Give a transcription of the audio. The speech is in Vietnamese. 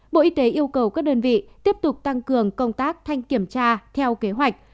bộ y tế yêu cầu các đơn vị tiếp tục tăng cường công tác thanh kiểm tra theo kế hoạch